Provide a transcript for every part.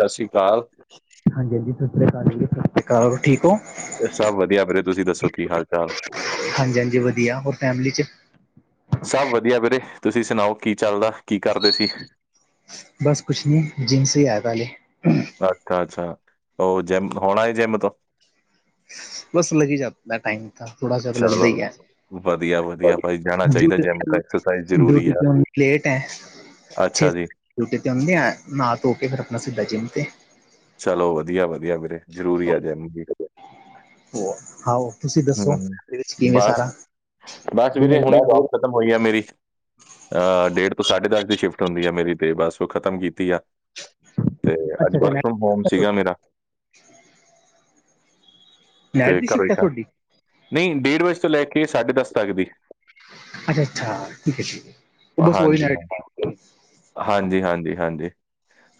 ਸਸਸ਼ਿਕਾਲ। ਹਾਂਜੀ ਹਾਂਜੀ ਸਤਿ ਸ੍ਰੀ ਅਕਾਲੀ ਸਤਿ ਸ਼੍ਰੀ ਅਕਾਲ ਠੀਕ ਓਂ? ਸਭ ਵਧੀਆ, ਆਪਣੀ ਤੁਸੀਂ ਦੱਸੋ ਕੀ ਹਾਲ-ਚਾਲ? ਹਾਂਜੀ, ਹਾਂਜੀ ਵਧੀਆ ਹੋਰ ਫੈਮਿਲੀ ਚ ਸਭ ਵਧੀਆ ਵੀਰੇ, ਤੁਸੀਂ ਸੁਣਾਓ ਕੀ ਚੱਲਦਾ ਕੀ ਕਰਦੇ ਸੀ? ਬਸ ਕੁਛ ਨੀ ਜੀਮ ਸੇ ਹੀ ਆਇਆ ਥਾ ਹਲੇ। ਅੱਛਾ, ਅੱਛਾ ਉਹ ਜਿੰਮ ਹੋਣ ਆਏ ਜਿੰਮ ਤੋਂ। ਬਸ ਲੱਗ ਹੀ ਜਾਤਾ ਟਾਈਮ ਤਾਂ ਥੋੜਾ ਜਿਹਾ ਲੱਗਦਾ ਚਲੋ ਈ ਐ। ਵਧੀਆ, ਵਧੀਆ ਭਾਈ ਜਾਣਾ ਚਾਈਦਾ ਜਿੰਮ ਤੇ ਐਕਸਰਸਾਈਜ਼ ਜ਼ਰੂਰੀ ਡਿਊਟੀ ਆ। ਤੋਂ ਲੇਟ ਹੈ ਛੇ ਅੱਛਾ ਜੀ। ਡਿਊਟੀ ਤੇ ਆਉਣਦਿਆ ਨਾਂਹ ਧੋ ਕੇ ਫਿਰ ਆਪਣਾ ਸਿੱਧਾ ਜਿੰਮ ਤੇ। ਚਲੋ ਵਧੀਆ, ਵਧੀਆ ਵੀਰੇ ਜ਼ਰੂਰੀ ਆ ਜਿੰਮ ਵੀ। ਉਹ ਆਓ ਤੁਸੀਂ ਹਂ, ਦੱਸੋ ਇਹਦੇ ਵਿੱਚ ਕਿਵੇਂ ਬਸ, ਸਾਰਾ ਬਸ ਵੀਰੇ ਡਿਨਰ ਹੁਣੀ ਜੋਬ ਤੋਂ ਅੱਛਾ ਖਤਮ ਹੋਈ ਆ ਮੇਰੀ ਅਹ ਡੇਢ ਤੋਂ ਸਾਢੇ ਦਸ ਦੀ ਸ਼ਿਫਟ ਹੁੰਦੀ ਆ ਮੇਰੀ ਤੇ ਬਸ ਉਹ ਖ਼ਤਮ ਕੀਤੀ ਆ। ਤੇ ਅੱਜ ਅੱਛਾ ਵਰਕ ਫਰੋਮ ਹੋਮ ਨੈਟ ਸੀਗਾ ਮੇਰਾ। ਨੈਟ ਤੇ ਦੀ ਘਰੋ ਈ ਸ਼ਿਫਟ ਹੈ ਘਰ ਤੁਹਾਡੀ ਨਈਂ ਡੇਢ ਵਜੇ ਤੋਂ ਲੈ ਕੇ ਸਾਢੇ ਦਸ ਤੱਕ ਦੀ। ਅੱਛਾ ਅੱਛਾ, ਠੀਕ ਐ ਜੀ, ਉਹ ਬਸ ਉਹਹੀ ਹਾਂਜੀ [unintelligible] ਹਾਂਜੀ ਹਾਂਜੀ ਹਾਂਜੀ,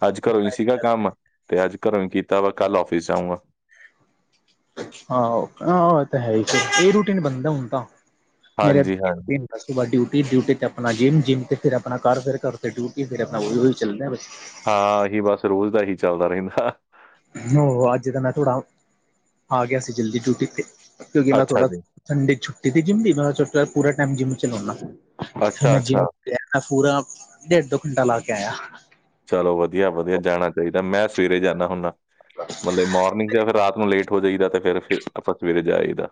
ਅੱਜ ਘਰੋਂ ਈ ਸੀਗਾ ਕੰਮ ਤੇ ਅੱਜ ਘਰੋਂ ਹੀ ਕੀਤਾ ਵਾ ਕੱਲ ਆਫਿਸ ਜਾਊਂਂਗਾ। ਆਹੋ ਆਹ ਤਾਂ ਹੈ ਹੀ ਇਹ ਰੂਟੀਨ ਬਣਦਾ ਹੁਣ ਤਾਂ ਮੇਰੇ ਹਾਂਜੀ, ਹਾਂਜੀ [inaudible] ਉਸ ਤੋਂ ਬਾਅਦ ਡਿਊਟੀ, ਡਿਊਟੀ ਤੇ ਆਪਣਾ ਜਿੰਮ, ਜਿੰਮ ਤੇ ਫਿਰ ਆਪਣਾ ਕਰ ਫਿਰ ਘਰ ਤੇ ਡਿਊਟੀ ਫਿਰ ਆਪਣਾ ਉਹੀ-ਉਹੀ ਚੱਲਦੇ ਬਸ। ਹਾਂ ਆਹੀ ਬਸ, ਰੋਜ਼ ਦਾ ਏਹੀ ਚੱਲਦਾ ਰਹਿੰਦਾ। ਹੋ ਅੱਜ ਤਾਂ ਮੈਂ ਥੋੜਾ ਆ ਗਿਆ ਸੀ ਜਲਦੀ ਡਿਊਟੀ ਤੇ ਕਿਉਂਕਿ ਮੈਂ ਅੱਛਾ ਥੋੜਾ ਜੀ, ਸੰਡੇ ਛੁੱਟੀ ਤੇ ਜਿੰਮ ਦੀ, ਮੈਂ ਛੋਟ ਪੂਰਾ ਟਾਈਮ ਜਿੰਮ ਚ ਲਾਉਂਣਾ ਫਿਰ ਅੱਛਾ, ਮੈਂ ਜਿੰਮ ਅੱਛਾ ਤੇ ਮੈਂ ਪੂਰਾ ਡੇਢ ਦੋ ਘੰਟਾ ਲਾ ਕੇ ਆਇਆ। ਚਲੋ ਵਧੀਆ-ਵਧੀਆ, ਜਾਣਾ ਚਾਹੀਦਾ ਮੈਂ ਸਵੇਰੇ ਜਾਂਣਾ ਹੁੰਣਾ। [inaudible] ਮਤਲਬ ਮੋਰਨਿੰਗ ਜਾਂ ਫਿਰ ਰਾਤ ਨੂੰ ਲੇਟ ਹੋ ਜਾਈਦਾ ਤੇ ਫਿਰ ਆਪਾਂ ਸਵੇਰੇ ਜਾਈਦਾ।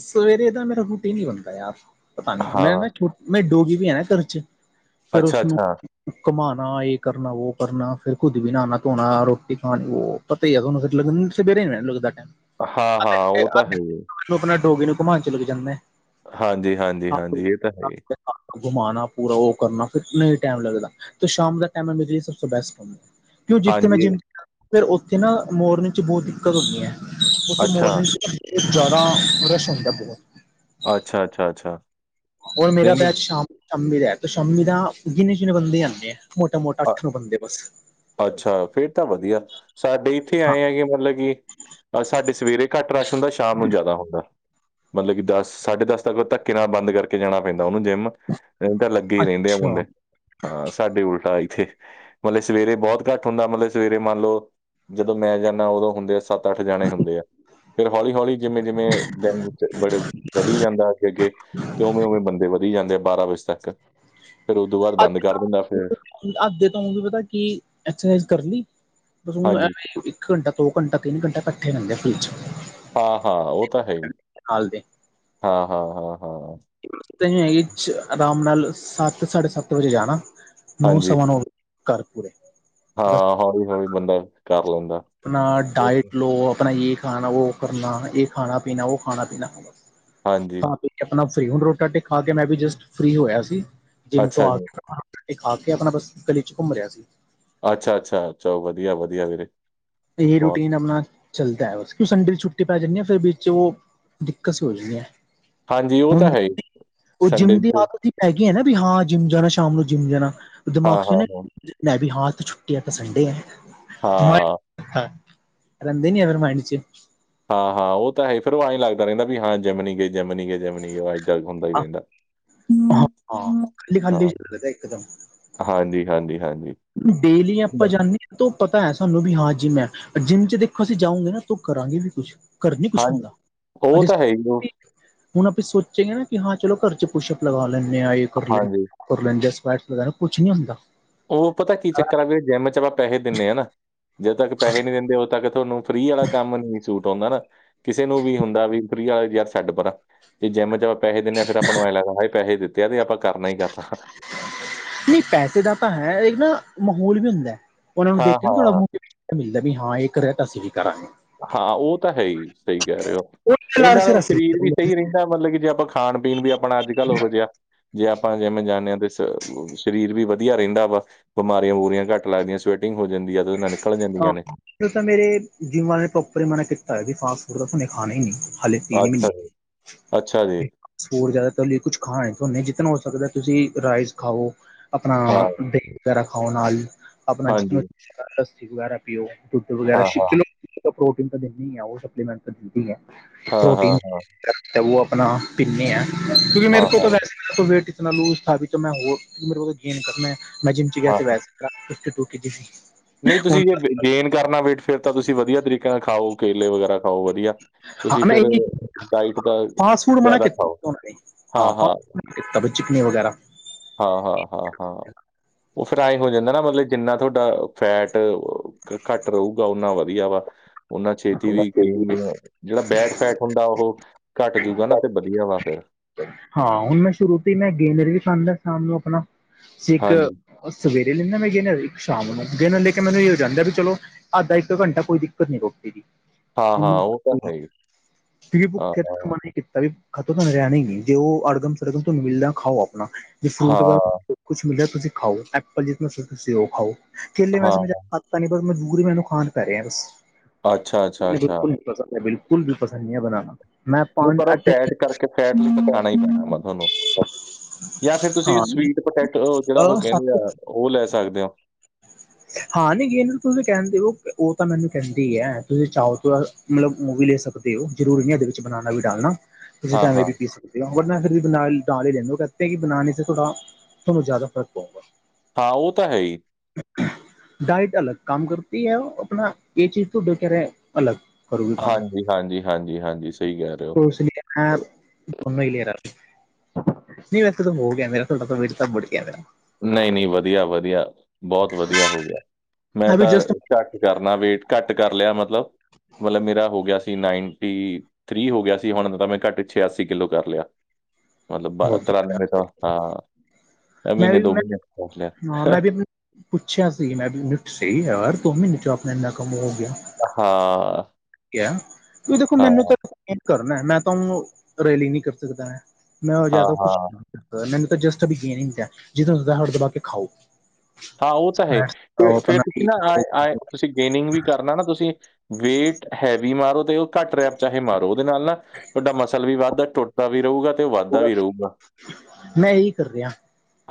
ਸਵੇਰੇ ਦਾ ਮੇਰਾ ਰੂਟੀ ਨੀ ਬਣਦਾ ਯਾਰ ਪਤਾ ਨੀ ਹਾਂ, ਮੈਂ ਨਾ ਛੁਟੀ ਨਈ ਡੋਗੀ ਵੀ ਏ ਨਾ ਘਰ ਚ, ਫਿਰ ਅੱਛਾ, ਉਸਨੂੰ ਅੱਛਾ ਕੁਮਾਣਾ ਏ ਕਰਨਾ ਵੋ ਕਰਨਾ ਫਿਰ ਖੁੱਦ ਵੀ ਨਣਾ-ਧੋਣਾ ਰੋਟੀ ਖਾਣੀ ਵੋ ਪਤਾ ਈ ਐ ਹੈਗਾ ਓਨੂੰ [unintelligible] ਲੱਗਦਾ ਟਾਈਮ ਹਾਂ-ਹਾਂ ਉਹ ਤਾਂ ਹੈ ਈ ਏ। ਆਪਣਾ ਡੋਗੀ ਨੂੰ ਕੁਮਾਣ ਚਲੇ ਕ ਜਾਂਦੇ ਹਾਂਜੀ-ਹਾਂਜੀ-ਹਾਂਜੀ ਏ ਤਾਂ ਹੈ ਈ ਕੁਮਾਣਾ ਪੂਰਾ ਉਹ ਕਰਨਾ ਫਿਰ ਨੀ ਟੈਮ ਲੱਗਦਾ ਤੇ ਸ਼ਾਮ ਦਾ ਟੈਮ ਐ ਮੇਰੇ ਲਈ ਸਭ ਤੋ ਬੈਸਟ ਐ। ਕਿਉ ਜਿੱਥੇ ਮੈਂ ਹਾਂਜੀ, ਜਿੰਮ ਜਾਂਦਾ ਫਿਰ ਉੱਥੇ ਨਾ ਮੋਰਨਿੰਗ ਚ ਬੋਤ ਦਿੱਕਤ ਹੁੰਦੀ ਐ। ਉੱਥੇ ਅੱਛਾ, ਮੋਰਨਿੰਗ ਚ ਨਾ ਜਾਦਾਾਂ ਰਸ਼ ਹੁੰਦਾ ਬੋਹਤ ਅੱਛਾ-ਅੱਛਾ-ਅੱਛਾ। ਹੋਰ ਮੇਰਾ ਬੈਚ ਸ਼ਾਮੀਂ ਦਾ ਸ਼ਾਮੀ ਦਾ ਗਿਨੇ-ਚੁਨੇ ਬੰਦੇ ਈ ਆਦੇ ਐ। ਮੋਟਾ-ਮੋਟਾ ਅ ਅੱਠ ਨੂੰ ਬੰਦੇ ਬਸ ਅੱਛਾ ਫੇਰ ਤਾਂ ਵਧੀਆ ਸਾਡੇ ਇੱਥੇ ਹਾਂ ਆਏ ਹੈਗੇ ਮਤਲਬ ਕਿ ਸਾਡੇ ਸਵੇਰੇ ਕੱਟ ਰਸ਼ ਹੁੰਦਾ ਸ਼ਾਮ ਨੂੰ ਜਾਦਾ ਹੁੰਦਾ। ਮਤਲਬ ਕਿ ਦਸ-ਸਾਢੇ ਦਸ ਤੱਕ ਧੱਕੇ ਨਾਲ ਬੰਦ ਕਰਕੇ ਜਾਣਾ ਪੈਂਦਾ ਓਨੂੰ ਜਿੰਮ ਨਈ ਤਾਂ ਲੱ ਲਗੇ ਈ ਰੈੰਦੇ ਆ ਅੱਛਾ ਮੁੰਡੇ ਹਾਂ ਸਾਡੇ ਉਲਟਾ ਈ ਉੱਥੇ ਮਤਲਬ ਸਵੇਰੇ ਬੋਹਤ ਕੱਟ ਹੁੰਦਾ ਮਤਲਬ ਸਵੇਰੇ ਮੰਨ ਲੋ- ਜਦੋਂ ਮੈਂ ਜਾਂਦਾ ਉਦੋਂ ਹੁੰਦੇ ਆ ਸੱਤ-ਅੱਠ ਜਣੇ ਹੁੰਦੇ ਆ। ਫਿਰ ਹੌਲੀ-ਹੌਲੀ ਜਿਵੇਂ-ਜਿਵੇਂ ਦਿਨ ਵਿੱਚ ਬੜੇ ਵਧੀ ਜਾਂਦਾ ਅੱਗੇ-ਅੱਗੇ। ਤੇ ਉਵੇਂ-ਉਵੇਂ ਬੰਦੇ ਵਧੀ ਜਾਂਦੇ ਆ ਬਾਰਾਂ ਵਜੇ ਤੱਕ ਫੇਰ ਉਹਦੋਂ ਬਾਦ ਬੰਦ ਕਰ ਦਿੰਦਾ ਫੇਰ ਅੱਦੇ ਤੁਹਾਨੂੰ ਕੀ ਪਤਾ ਕੀ ਐਕਸਰਸਾਈਜ਼ ਕਰਨ ਦੀ‌ ਓ ਹਾਂਜੀ ਐਲੇ ਈ- ਇੱਕ ਘੰਟਾ-ਦੋ ਘੰਟਾ-ਤਿੰਨ ਘੰਟਾ ਇਕੱਠੇ ਰਹਿੰਦੇ ਫ੍ਰੀ ਚ ਹਾਂ-ਹਾਂ ਓ ਤਾ ਹੈ ਹੀ ਨਾਲ ਹਾਂ-ਹਾਂ-ਹਾਂ। ਤਾਂ ਹੈਗੀ ਆਰਾਮ ਨਾਲ ਸੱਤ-ਸਾਢੇ ਸੱਤ ਵਜੇ ਜਾਣਾ ਹਾਂਜੀ ਨੌ-ਸਵਾ ਨੌ ਕੱਰ ਪੁਰੇ। ਹਾਂ ਹੋੌਲੀ-ਹੌਲੀ ਬੰਦਾ ਕਰ ਲੈਂਦਾ। ਆਪਣਾ ਡਾਇਟ ਲੋ ਆਪਣਾ ਯੇ ਖਾਣਾ ਵੋ ਕਰਨਾ ਏ ਖਾਣਾ- ਪੀਣਾ ਓ ਖਾਣਾ-ਪੀਣਾ ਹਾਂਜੀ, ਖਾ-ਪੀ ਕੇ ਆਪਣਾ ਫ੍ਰੀ ਹੁਣ ਰੋਟੀ-ਰਾਟੀ ਖਾ ਕੇ ਮੈਂ ਵੀ ਜਸਟ ਫ੍ਰੀ ਹੋਯਾ ਸੀ। ਜਿੰਮ ਤੋਂ ਅੱਛਾ ਆ ਜੀ, ਕੇ ਰੋਟੀ-ਰਾਟੀ ਖਾ ਕੇ ਆਪਣਾ ਬਸ ਗਲੀ ਚ ਕੁਮ ਰੇਆ ਸੀ। ਅੱਛਾ-ਅੱਛਾ ਚਲੋ ਵਧੀਆ-ਵਧੀਆ ਵੀਰੇ ਏਹੀ ਬਹੁਤ ਰੂਟੀਨ ਅਪਣਾ ਚਲਦਾ ਬਸ ਕ ਸੰਡੇ ਛੂੱਟੀ ਪੈ ਜਾਂਦੀ ਨਾ ਫੇਰ ਵਿੱਚ ਓ ਦਿੱਕਸ ਹੋ ਰੀ ਐ। ਹਾਂਜੀ, ਉਹ ਤਾਂ ਹੈ ਹੀ, ਹੁੁੰਦੀ ਓ ਸੰਡੇ ਜਿੰਮ ਨੂੰ ਦੀ ਫਿਰ ਆਦਤ ਈ ਹੈਗੀ ਐ ਨਾ ਵੀ ਹਾਂ ਜਿੰਮ ਜਾਣਾ ਸ਼ਾਮ ਨੂੰ ਜਿੰਮ ਜਾਣਾ ਹਾਂ, ਦਿਮਾਗ ਚ ਹਾਂ, ਨਾ ਹਾਂ, ਇ ਮੈਂ ਵੀ ਹਾਂ ਛੁੱਟੀ ਐ ਤਾਂ ਸੰਡੇ ਐ। ਹਾਂ। ਹਾਂ ਰੈੰਦੇ ਨੀ ਅਵਰ ਮਾਂਈਂਡ ਚ ਹਾਂ-ਹਾਂ ਓ ਤਾਂ ਹੈ ਹੀ ਫੇਰ ਓ ਐਏਂ ਲੱਗਦਾ ਰੈੰਦਾ ਵੀ ਹਾਂ ਜਿਮ ਨੀ ਗਈ। ਜਿੰਮ ਨੀ ਗਏ-ਜਿੰਮ ਨੀ ਗਏ ਏਦਾਂ ਹੁੰਦਾ ਈ ਹਾਂ ਰੈੰਦਾ। ਹੱਲਿਸ਼ ਇੱਕਦਮ ਹਾਂਜੀ-ਹਾਂਜੀ-ਹਾਂਜੀ। ਡੇਲੀ ਆਪਾਂ ਜਾਂਣੇ ਤੋ ਪਤਾ ਹੈ ਸਾਨੂੰ ਵੀ ਹਾਂ ਜਿੰਮ ਐ ਜਿੰਮ ਚ ਦੇਖੋ ਅਸੀਂ ਜਾਉਗੇ ਨਾ ਤੂੰ ਕਰਾਂਗੇ ਵੀ ਕੁਛ ਘਰ ਨੀ ਕੁਛ ਹਾਂਜੀ, ਹੁੰਦਾ ਉਹ ਅੱਜ ਤਾਂ ਹੈ ਹੀ, ਉਹ ਹੁਣ ਆਪੇ ਸੋਚੇਏ ਨਾ ਕਿ ਹਾਂ ਚਲੋ ਘਰ ਚ ਪੁੱਛ ਅਪ ਲਗਾ ਲੈਂਦੇ ਹਾ ਏ ਕਰ ਲੇਣੇ ਹਾਂਜੀ, ਆ। ਵਗੈਰਾ, ਕੁਛ ਨੀ ਹੁੰਦਾ। ਉਹ ਪਤਾ ਕੀ ਚੱਕਰ ਆ ਵੀ ਜਿੰਮ 'ਚ ਆਪਾਂ ਪੈਸੇ ਦਿੰਦੇ ਹਾ ਆ ਨਾ, ਜਦੋਂ ਤੱਕ ਪੈਸੇ ਨਹੀਂੀ ਦਿੰਦੇ ਉਦ ਤੱਕ ਤੁਹਾਨੂੰ ਫਰੀ ਵਾਲਾ ਕੰਮ ਨ ਸੂਟ ਆਉਂਦਾ ਨਾ, ਕਿਸੇ ਨੂੰ ਵੀ ਹੁੰਦਾ ਵੀ ਫਰੀ ਵਾਲਾ ਯਾਰ ਛੱਡ ਪਰਾਂ ਤੇ ਜਿੰਮ 'ਚ ਆਪਾਂ ਪੈਸੇ ਦਿੰਦੇ ਆ, ਫਿਰ ਆਪਾਂ ਨੂੰ ਐਂ ਲੱਗਦਾ ਹਾ ਪੈਸੇ ਦਿੱਤੇ ਆ ਤੇ ਆਪਾਂ ਕਰਨਾ ਹੀ ਕਰਨਾ। ਨਹੀਂ ਪੈਸੇ ਦਾ ਤਾਂ ਹੈ, ਇੱਕ ਨਾ ਮਾਹੌਲ ਵੀ ਹੁੰਦਾ। ਉਹ ਨੂੰ ਹਾਂ ਦੇਖ ਕੇ ਨਾ ਥੋੜਾ ਹਾਂ ਮੋਕਾ ਮਿਲਦਾ ਵੀ ਹਾਂ, ਇਹ ਇੱਕ ਰਹਿ ਤਾਂ ਅਸੀਂ ਵੀ ਕਰਾਂਗੇ। ਹਾਂ ਉਹ ਤਾਂ ਹੈ ਹੀ, ਸਹੀ ਕਹਿ ਰਹੇ ਹੋ। ਉਹ ਇਹ ਲਾਰ ਨਾਲ ਸਿਰ ਅਸੀਂ ਸਰੀਰ ਵੀ ਸਹੀ ਰਹਿੰਦਾ, ਮਤਲਬ ਕਿ ਜੇ ਆਪਾਂ ਖਾਣ ਪੀਣ ਵੀ ਆਪਣਾ ਅੱਜ ਕੱਲ੍ਹ ਉਹੋ ਜਿਹਾ ਜੇ ਆਪਾਂ ਜਿਮ ਜਾਂਦੇ ਹਾਂ ਤੇ, ਸਰੀਰ ਵੀ ਆਪਣਾ ਵਧੀਆ ਰਹਿੰਦਾ ਵਾ। ਬਿਮਾਰੀਆਂ ਬੁਮਾਰੀਆਂ ਘਟ ਲੱਗਦੀਆਂ, ਸਵੈਟਿਗ ਹੋ ਜਾਂਦੀ ਤਾਂ ਨ ਹਾਂ, ਤਾਂ ਮੇਰੇ ਜਿੰਮ ਵਾਲੇ ਨੇ ਪ੍ਰੋਪਰ ਹੀ ਮਨਾ ਕੀਤਾ ਵੀ ਫਾਸਟ ਫੂਡ ਦਾ ਤੁਹਾਨੇ ਖਾਣਾ ਹੀ ਨਹੀਂ। [inaudible] ਤਿੰਨ ਮਹੀਨੇ ਅੱਛਾ ਜੀ ਅੱਛਾ ਜੀ ਫੂਡ ਕੁਛ ਖਾਣੇੇ, ਜਿੱਤਨਾ ਹੋ ਸਕਦਾ ਤੁਸੀਂ ਰਾਈਸ ਖਾਓ। ਆਪਣਾ ਹਾਂ ਦਈ ਵਗੈਰਾ ਖਾਉ ਨਾਲ, ਆਪਣਾ ਚਿਕਨ ਹਾਂਜੀ ਵਗੈਰਾ, ਲੱਸੀ ਓ ਦੁੱਧ ਵਗੈਰਾ ਹਾਂ ਸਿੱ, ਹਾਂ ਲ ਪ੍ਰੋਟੀਨ ਤਾਂ ਦਿੰਦੀ ਆ ਉਹ ਸਪਲੀਮੈਂਟ ਹਾਂ ਪ੍ਰੋਟੀਨ ਹਾਂ ਹਾਂ ਆਪਣਾ ਪਿੰਨੇ ਹੈ, ਕਿਉਂਕਿ ਹਾਂ ਮੇਰੇ ਕੋਲ ਤਾਂ ਹਾਂ ਵੈਸੇ ਵੇਟ ਇਤਨਾ ਲੂਜ, ਮੈਂ ਹੋਰ ਮੇਰੇਲ ਗੇਨ ਕਰਨਾ, ਮੈਂ ਜਿੰਮ 'ਚ ਗਿਆ ਹਾਂ ਤੇ ਵੈਸ [inaudible] [inaudible] ਨਹੀਂ ਤੁਸੀਂ ਜੇ ਗੇਨ ਕਰਨਾ ਵੇਟ, ਫੇਰ ਤਾਂ ਤੁਸੀਂ ਵਧੀਆ ਤਰੀਕੇ ਨਾਲ ਖਾਓ, ਕੇਲੇ ਵਗੈਰਾ ਖਾਓ ਵਧੀਆ। ਤੁਸੀਂ ਫਿਰ ਡਾਇਟ ਦਾ ਜ਼ਿਆਦਾ ਖਾਓ। ਹਾਂ, ਹਾਂ, ਚਿਕਨ ਵਗੈਰਾ ਹਾਂ -ਹਾਂ, ਹਾਂ ਹਾਂ ਉਹ ਫਿਰ ਏਆ ਹੋ ਜਾਂਦਾ ਨਾ, ਮਤਲਬ ਜਿੰਨਾ ਤੁਹਾਡਾ ਫੈਟ ਘੱਟ ਰਹੇਗਾ ਓਨਾ ਵਧੀਆ ਵਾ, ਓਨਾਂ ਛੇਤੀ ਵੀ ਵਗੈਰਾ ਗੇਮ ਵੀ ਜਿਹੜਾ ਬੈਕ ਫੈਟ ਹੁੰਦਾ ਉਹ, ਘੱਟ ਜੂਗਾ ਨਾ ਤੇ ਵਧੀਆ ਵਾ ਫੇਰ ਹਾਂ ਹੁਣ ਮੈਂ ਸ਼ੁਰੂ ਤੋਂ ਹੀ ਮੈਂ ਗੇਨਰ ਵੀ ਖਾਂਦਾ ਸ਼ਾਮ ਨੂੰ, ਆਪਣਾ ਸ ਇੱਕ ਹਾਂਜੀ, ਉਹ ਸਵੇਰੇ ਲੈਂਦਾ ਮੈਂ ਗੇਨਰ, ਸ਼ਾਮ ਨੂੰ ਗਹ ਨੂੰ, ਲੈ ਕੇ ਮੈਨੂੰ ਇਹ ਜਾਂਦਾ ਵੀ ਚਲੋ ਅੱਧਾ ਇੱਕ ਘੰਟਾ ਕੋਈ ਦਿੱਕਤ ਨੀ ਰੋਟੀ ਦੀ। [inaudible] ਹਾਂ, ਹਾਂ ਉਹ ਤਾਂ ਹੈ ਹੀ। ਕਿ ਹਾਂ, ਹਾਂ, ਕੀਤਾ ਵੀ ਖਤੋਂ ਤੁਹਾਨੂੰ ਰਹਿਣਾ ਹੀ ਨੀ, ਜੇ ਉਹ ਅੜਗਮ ਸੜਗਮ, ਤੁਹਾਨੂੰ ਮਿਲਦਾ ਖਾਓ ਆਪਣਾ, ਜੇ ਫਰੂਟ ਹਾਂ, ਕੁਛ ਮਿਲਿਆ ਤੁਸੀਂ ਖਾਓ, ਐਪਲ ਜਿਸ ਤੁਸੀਂ ਉਹ ਖਾਓ, ਕੇੇਲੇ ਹਾਂ, ਵੈਸੇ ਮ ਤਾਂ ਨਹੀਂ ਬਸ ਮਜਬੂਰ ਹੀ ਮੈਨੂੰ ਖਾਣ ਪੈ ਰਹੇ ਬਸ, ਅੱਛਾ, ਅੱਛਾ, ਅੱਛਾ। ਬਿਲਕੁਲ ਨਹੀਂ। ਬਿਲਕੁਲ ਵੀ ਪਸੰਦ ਨਹੀਂ ਹੈ ਬਣਾਣਾ, ਮੈਂ ਕੀ ਫੈਟ ਲਯੀ ਤਾਂ ਖਾਣਾ ਹੀ ਪੈਣਾ ਤੁਹਾਨੂੰ ਜਾਂ ਫਿਰ ਤੁਸੀਂ ਸਵੀਟ ਪੋਟੈਟੋ, ਜਿਹੜਾ ਉਹ ਕਹਿੰਦੇ ਆ ਉਹ ਲੈ ਸਕਦੇ ਹੋ। ਹਾਂ ਨੀ ਗੇ ਤੁਸੀਂ ਕਹਿੰਦੇ ਉਹ ਤਾਂ ਮੈਨੂੰ ਕਹਿੰਦੀ ਹੈ, ਤੁਸੀਂ ਚਾਹੋ ਮਤਲਬ ਉਹ ਵੀ ਲੈ ਸਕਦੇ ਹੋ, ਜ਼ਰੂਰੀ ਨਹੀਂ ਇਹਦੇ ਵਿੱਚ ਬਨਾਨਾ ਵੀ ਡਾਲਣਾ, ਤੁਸੀਂ ਹਾਂ, ਤਾਂ ਹਾਂ, ਐਵੇਂ ਵੀ ਪੀ ਸਕਦੇ ਲੌਗ ਰ ਨਾਲ ਫਿਰ ਵੀ ਦਾਲ ਹੀ ਲੈਂਦੇ, ਉਹ ਕ ਕਿ ਬਣਾਣੇ ਤੇ ਥੋੜਾ ਤੁਹਾਨੂੰ ਜ਼ਿਆਦਾ ਫ਼ਰਕ ਪਊਗਾ। ਹਾਂ ਉਹ ਤਾਂ ਹੈ ਹੀ। ਡਾਇਟ ਅਲੱਗ ਕੰਮ ਕਰਤੀ ਹੈ ਆਪਣਾ, ਇਹ ਚੀਜ਼ ਤ ਡੇ ਕੇ ਰਹਿ ਅਲੱਗ, ਕਰੂਗੇ ਕੰਮ। ਹਾਂਜੀ, ਹਾਂਜੀ - ਹਾਂਜੀ, ਹਾਂਜੀ! ਸਹੀ ਕਹਿ ਰਹੇ ਓ। ਐਪ [unintelligible] ਨਈ, ਵੈਸੇ ਤੇ ਹੋ ਗਿਐ ਮੇਰਾ, ਥੋੜਾ ਵੇਟ ਬੜ ਗਿਆ ਮੇਰਾ। [unintelligible] ਨਹੀਂ - ਨਹੀਂ, ਵਧੀਆ -ਵਧੀਆ, ਬਹੁਤ ਵਧੀਆ ਹੋ ਗਿਐ। ਮੈਂ ਤਾਂ ਘੱਟ ਕਰਨਾ ਵੇਟ ਘੱਟ ਕਰ ਲਿਆ ਮਤਲਬ, ਮਤਲਬ ਮੇਰਾ ਹੋ ਗਿਆ ਸੀ ਨਾਈਨਟੀ ਤ੍ਰਰ੍ਹੀ ਹੋ ਗਿਆ ਸੀ ਹੁਣ ਤਾਂ ਮੈਂ ਘੱਟ ਛਿਆਛੀ ਕਿਲੋ ਕਰ ਲਿਆ। ਮਤਲਬ ਬਾਰ੍ਹਾਂ ਤਰਿਆਨਵੇ ਮ ਹਾਂ ਐਂ ਮ੍ਹੀਨੇ ਦੋ ਮ੍ਹੀਨੇ ਪੰਹੁਚ ਗਿਆ। ਪੁੱਛਿਆ ਸੀ ਮੈਂ ਵੀ ਨਿੱਠ ਸੀ ਯਾਰ ਦੋ ਮ੍ਹੀਨੇ 'ਚ ਅਪਨਾ ਐਨਾ ਕੰਮ ਹੋ ਗਿਐ। ਹਾਂ। ਕਿਆ ਦੇਖੋ ਮੈਨੂੰ ਹਾਂ, ਤਾ ਯਕੀਨ ਕਰਨੈ ਮੈਂ ਤਾਂ ਉਨੂੰ ਰੈਲੀ ਨੀ ਕਰ ਸਕਦਾ ਮੈਂ ਮੈਂ ਹਾਂ, ਜਾਦਾ ਕੁਛ ਹਾਂ। ਕਰਦਾ ਮੈਨੂੰ ਤਾਂ ਜਸਟ ਬੀਨ ਹੁੰਦੈ ਜਦੋ ਹੁੰਦੈ ਹਟ ਦਬਾ ਕੇ ਖਾਓ। ਹਾਂ ਓ ਤਾਂ ਹੈ ਤੇ ਖਾਓ ਫਿਰ ਆਪਣਾ ਤੁਸੀਂ ਨਾ ਆਂਏ-ਆਂਏ। ਤੁਸੀਂ ਗੇਨਿੰਗ ਵੀ ਕਰਨਾ ਨਾ ਤੁਸੀਂ ਵੇਟ ਹੈਵੀ ਮਾਰੋ ਤੇ ਓ ਘੱਟ ਰੈਪ ਚਾਹੇ ਮਾਰੋ ਉਹਦੇ ਨਾਲ ਨਾ ਤੁਹਾਡਾ ਮਸਲ ਵੀ ਵੱਧ ਦਾ ਟੁਟ ਦਾ ਵੀ ਰਊਗਾ ਤੇ ਓ ਵਧਦਾ ਵੀ ਰਊਗਾ। ਮੈਂ ਇਹੀ ਕਰ ਰਿਹਾ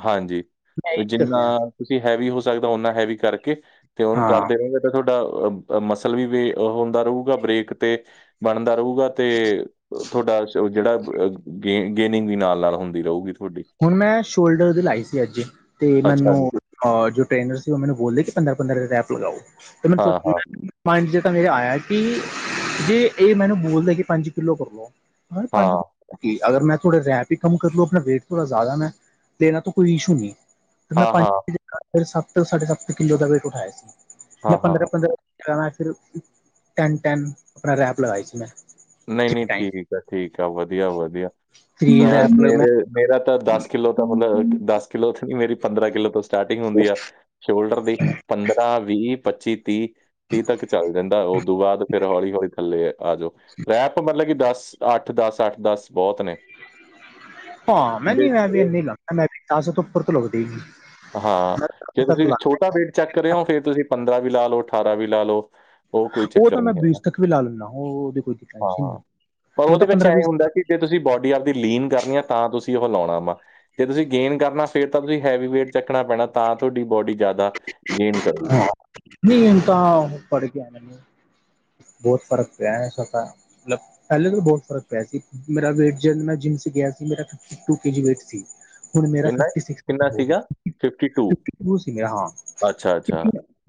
ਹਾਂਜੀ ਮੈਂ ਇਹੀ ਕਰ ਜਿੰਨਾ ਰਿਹਾ ਤੁਸੀਂ ਹੈਵੀ ਹੋ ਸਕਦਾ ਓਨਾ ਹੈਵੀ ਕਰਕੇ ਤੇ ਉਹਨੂੰ ਹਾਂ ਕਰਦੇ ਰਉਗੇ। ਤੁਹਾਡਾ ਮਸਲ ਵੀ ਵੇ ਹੁੰਦਾ ਰਊਗਾ ਬ੍ਰੇਕ ਤੇ ਬਣਦਾ ਰਊਗਾ। ਤੇ ਥੌਡਾ ਓ ਜਿਹੜਾ ਅ ਗੇ ਗੇਨਿੰਗ ਵੀ ਨਾਲ-ਨਾਲ ਹੁੰਦੀ ਰਊਗੀ। ਹੁਣ ਮੈਂ ਸ਼ੋਲਡਰ ਦੀ ਲਾਈ ਸੀ ਅੱਜ ਤੇ ਅੱਛਾ ਮੈਨੂੰ ਜੀ। ਹਾਂ ਜੋ ਟ੍ਰੇਨਰ ਸੀ ਓ ਮੈਨੂ ਬੋਲੇ ਸੀ ਪੰਦਰਾਂ -ਪੰਦਰਾਂ ਦਿਨ ਰੈਪ ਲਗਾਓ ਤੇ ਮੈਂ ਸੋਚ ਹਾਂ, ਹਾਂ, ਪੰਜ ਕੁ ਵਜੇ ਆਇਆ ਸੀ ਜੇ ਇਹ ਮੈਨੂੰ ਬੋਲਦੇ ਕਿ ਪੰਜ ਕਿੱਲੋ ਕਰ ਲੋ। ਹੂੰ ਹਾਂ, ਪੰਜ ਕਿ ਅਗਰ ਮੈਂ ਥੋੜ੍ਹਾ ਰੈਪ ਹੀ ਕਮ ਕਰ ਲੋ ਆਪਣਾ ਵੇਟ ਥੋੜਾ ਜਾਦਾ ਮੈਂ ਤੇਰਾਂ ਤੇ ਕੋਈ ਇਸ਼ੂ ਨੀ ਮੈਂ ਹਾਂ, ਪੰਜ ਹਾਂ, ਫਿਰ ਸੱਤ-ਸਾਢੇ ਸੱਤ ਕਿੱਲੋ ਦਾ ਵੇਟ ਉਠਾਇਆ ਸੀ ਮੈਂ ਹਾਂ, ਹਾਂ। ਪੰਦਰਾਂ-ਪੰਦਰਾਂ ਕਹਾਂ ਹੈ ਫਿਰ ਟੈਨ-ਟੈਨ ਆਪਣਾ ਰੈਪ ਲਗਾਈ ਸੀ ਮੈਂ ਨਈ-ਨਈ ਥ੍ਰੀ ਟਾਈਮ ਠੀਕ ਐ ਠੀਕ ਐ ਵਧੀਆ-ਵਧੀਆ ਥ੍ਰੀ ਰੈਪ [unintelligible] ਲ ਮੈਂ ਮੇਰੇ ਮੇਰਾ ਤਾਂ ਦਸ ਕਿੱਲੋ ਤਾਂ ਮਤਲਬ ਦੱਸ ਕਿੱਲੋ ਨੀ ਮੇਰੀ ਪੰਦਰਾਂ ਕਿੱਲੋ ਤੋਂ ਸਟਾਰਟਿੰਗ ਹੁੰਦੀ ਆ। ਸ਼ੋਲਡਰ ਦੀ ਪੰਦਰਾਂ, ਵੀਹ, ਪੱਚੀ, ਤੀਹ ਤੀਹ ਤੱਕ ਚੱਲ ਜਾਂਦਾ ਉਦੋਂ ਬਾਦ ਫਿਰ ਹੌਲੀ -ਹੌਲੀ ਲੇ ਆ ਜਓ ਰੈਪ ਮਤਲਬ ਕਿ ਦਸ ਅੱਠ ਦਸ ਅੱਠ ਦਸ ਬਹੁਤ ਨੇ। ਹਾਂ ਮੈਂ ਨੀ ਜੇ ਮੈਂ ਵੀ ਇਨੀ ਲਾਂਨਾ ਮੈਂ ਵੀ ਦਸ ਤੋਂ ਉੱਪਰ ਤੇ ਲਗਦੀ ਨਈ। ਹਾਂਜੇ ਤੁਸੀਂ ਛੋਟਾ ਵੇਟ ਚੈੱਕ ਕਰ ਰਏ ਓ, ਫਿਰ ਤੁਸੀਂ ਪੰਦਰਾਂ ਵੀ ਲਾ ਲਓ ਅਠਾਰਾਂ ਵੀ ਲਾ ਲਓ। ਓ ਕੋਈ ਉਹ ਚੱਕਰ ਤਾਂ ਨਈ ਮੈਂ ਹੈਗਾ ਬੀਸ ਤੱਕ ਵੀ ਲਾ ਲੈਂਦਾ ਉਹ ਉਹਦੀ ਕੋਈ ਟੈਨਸ਼ਨ ਨਹੀਂ ਹਾਂ ਪਰ ਉਹ ਉਹਦੇ ਤਾਂ ਵਿੱਚ ਪੰਦਰਾਂ ਐਂ ਵੀਹ ਹੁੰਦਾ ਕਿ ਜੇ ਤੁਸੀਂ ਬੋਡੀ ਆਪਦੀ ਲੀਨ ਕਰਨੀ ਐ ਤਾਂ ਤੁਸੀਂ ਓ ਲਾਣਾ ਵਾ। ਜੇ ਤੁਸੀਂ ਗੇਨ ਕਰਨਾ ਫਿਰ ਤਾਂ ਤੁਸੀਂ ਹੈਵੀ ਵੇਟ ਚੱਕਣਾ ਪੈਣਾ ਤਾਂ ਤੁਹਾਡੀ ਬੋਡੀ ਜਾਦਾ ਗੇਨ ਕਰੂਗੀ। ਨੀ ਹੁਨ ਤਾਂ ਪੜ ਗਿਆ ਮੈਨੂੰ ਬੋਤ ਫ਼ਰਕ ਪਿਆ ਐਸਾ ਤਾ ਮਤਲਬ ਪੈਲੇ ਤਾਂ ਬੋਤ ਫ਼ਰਕ ਪਿਆ ਸੀ ਮੇਰਾ ਵੇਟ ਜ ਮੈਂ ਜਿੰਮ 'ਚ ਗਿਆ ਸੀ ਮੇਰਾ ਪੈਲੇ fifty two K G weight ਸੀ ਹੁਣ ਮੇਰਾ ਕਿੰਨਾ ਫਿਫਟੀ ਸਿਕਸ ਕਿੰਨਾ ਹੋ ਗਿਆ ਸੀਗਾ ਫਿਫਟੀ ਟੂ ਸੀ ਮੇਰਾ ਹਾਂ। ਅੱਛਾ-ਅੱਛਾ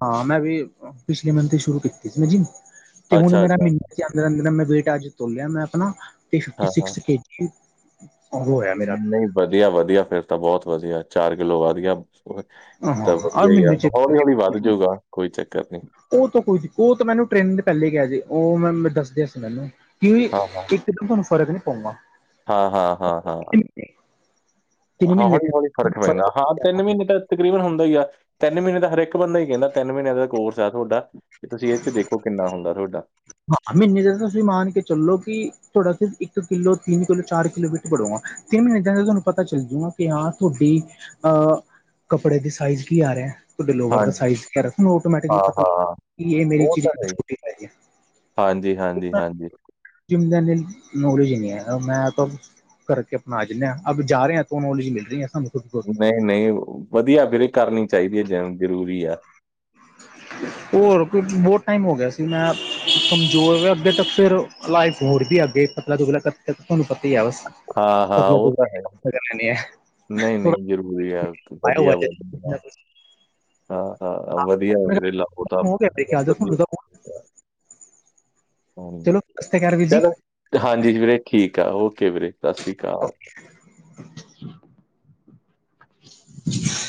ਹਾਂ ਮੈਂ ਵੀ ਪਿਛਲੇ ਮੰਥ ਤੇ ਸ਼ੁਰੂ ਕੀਤੀ ਸੀ ਨਾ ਜਿੰਮ ਤੇ ਹੁਣ ਅੱਛਾ ਮੇਰਾ [unintelligible] ਅੱਛਾ ਅੱਛਾ। ਨ ਮੈ-ਮੈ ਵੇਟ ਅੱਜ ਤੋਲਿਆ ਮੈਂ ਆਪਣਾ ਤੇ ਫਿਫਟੀ ਸਿਕਸ ਕੇ ਜੀ ਹੋਇਆ ਮੇਰਾ ਨਈ ਵਧੀਆ-ਵਧੀਆ ਫਿਰ ਤਾਂ ਬੋਤ ਵਧੀਆ ਚਾਰ ਕਿੱਲੋ ਵੱਧ ਗਿਆ। ਹਾਂ ਤਾਂ ਔਰ ਵਦੀਆ ਹੀ ਆ ਮਹੀਨੇ ਚ ਹੌਲੀ-ਹੌਲੀ ਵੱਧ ਜਾਊਗਾ ਕੋਈ ਚੱਕਰ ਨਈ। ਓ ਤਾਂ ਕੋਈ ਦਿ ਓ ਤਾਂ ਮੈਨੂੰ ਟ੍ਰੈਂਡ ਪੈਲੇ ਕਿਆ ਸੀ ਓ ਮੈਨੂੰ ਦੱਸਦੇ ਸੀ ਮੈਨੂੰ ਕਿਊ ਜੀ ਹਾਂ ਇੱਕਦਮ ਤੁਹਾਨੂੰ ਫਰਕ ਨਈ ਪੈਂਦਾ। ਹਾਂ-ਹਾਂ-ਹਾਂ ਹਾ ਹਾ ਮਹੀਨੇ ਦੀ ਦੇ ਗੱਲ ਵਿੱਚ ਫ਼ਰਕ ਪੈਂਦਾ ਹਾਂ ਫ਼ਰਕ ਤਿੰਨ ਮ੍ਹੀਨੇ ਤੇ ਤਕਰੀਬਨ ਹੁੰਦਾ ਈ ਆ ਤਿੰਨ ਮ੍ਹੀਨੇ ਦਾ ਹਰੇਕ ਬੰਦਾ ਈ ਕੈਂਦਾ ਤਿੰਨ ਮ੍ਹੀਨੇ ਦਾ ਕੋਰਸ ਐ ਤੁਹਾਡਾ ਕਿ ਤੁਸੀਂ ਏਥੇ ਦੇਖੋ ਕਿੰਨਾ ਹੁੰਦਾ ਤੁਹਾਡਾ ਹਾਂ ਮ੍ਹੀਨੇ ਤੇ ਤੁਸੀਂ ਮਾਣ ਕੇ ਚੱਲੋ ਕੀ ਤੁਆਡਾ ਸਿਰਫ ਇੱਕ ਕਿੱਲੋ, ਤਿੰਨ ਕਿੱਲੋ, ਚਾਰ ਕਿੱਲੋ ਵੇਟ ਘੜੂਗਾ। ਤਿੰਨ ਮਹੀਨੇ ਜਾਂਦੇ ਤਾਨੂੰ ਪਤਾ ਚੱਲ ਜੂਗਾ ਕਿ ਹਾਂ ਤੋਡੀ ਅਹ ਕੱਪੜੇ ਦੀ ਸਾਈਜ਼ ਕੀ ਆ ਰਿਆ? ਤੋਡੇ ਲੋਵਰ ਦਾ ਹਾਂਜੀ ਸਾਇਜ਼ ਓਟੋਟੋਮੈਟਿਕਲੀ ਹਾਂ ਪਤਾ ਲੱਗੇ ਹਾਂ ਗਾ ਕੀ ਏ ਮੇਰੀ ਉਹ ਚੀਦ ਤਾਂ ਹੈ ਹੀ। ਛੋਟੀ ਪੈਗੀ ਐ। ਹਾਂਜੀ, ਹਾਂਜੀ, ਹਾਂਜੀ। ਜਿੰਮ ਦਾ ਏਨੀ ਨੋਲੇਜ ਨੀ ਏ, ਮੈਂ ਤੋ ਕਰਕੇ ਅਪਣਾ ਆਜਾਂਨੇ ਆ। ਅਬ ਜਾ ਰੇ ਤੋਂ ਨੌਲੇਜ ਮਿਲ ਰੀ ਐ ਸਾਨੂੰ। ਖੁਦ ਕੋ। ਨਈ ਨਈ ਵਧੀਆ ਵੀਰੇ ਕਰਨੀ ਚਾਈਦੀ ਐ ਜਿਮ ਜ਼ਰੂਰੀ ਆ। ਹੋਰ ਕੁਜ ਬੋਤ ਟਾਈਮ ਹੋ ਗਿਆ ਸੀ ਮੈਂ ਕਮਜ਼ੋਰ ਅੱਗੇ ਤੱਕ ਫੇਰ ਲਾਈਫ ਹੋਰ ਵੀ ਅੱਗੇ ਪਤਲਾ-ਦੁਬਲਾ [unintelligible] ਤੁਹਨੂੰ ਪਤਾ ਈ ਐ ਬਸ। ਹਾਂ ਹਾਂ ਪਤਲਾ ਓ ਤਾਂ ਹੈ ਹੀ। ਦੁਗਲਾ ਲੈਣੀ ਹੈ। ਨਈ ਨਈ ਜ਼ਰੂਰੀ ਐ, ਪਾਇਆ ਵਧੀਆ ਹੋਇਆ ਜੇ ਕੁਝ ਨਾ ਵਧੀਆ। ਕੁਝ ਹਾਂ ਹਾਂ, ਵਧੀਆ ਵੀਰੇ ਲਾਓ ਤਾਂ ਹੋ ਗਿਆ ਮੇਰੇ ਖਿਆਲ ਦਾ ਵਧੀਆ ਤੁਹਾਨੂੰ ਤਾਂ ਹਾਂਜੀ, ਚਲੋ ਸਤਿ ਸ਼੍ਰੀ ਅਕਾਲ ਵੀਰ ਜੀ ਚਲੋ ਹਾਂਜੀ ਵੀਰੇ ਠੀਕ ਆ ਓਕੇ ਵੀਰੇ ਸਾਸਰੀ ਕਾਲ। [inaudible] [inaudible]